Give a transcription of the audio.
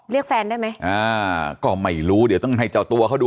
เรียกแฟนได้ไหมอ่าก็ไม่รู้เดี๋ยวต้องให้เจ้าตัวเขาดู